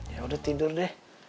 yaudah tidur deh